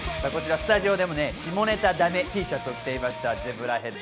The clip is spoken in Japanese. スタジオでも下ネタだめＴシャツを着ていましたゼブラヘッド。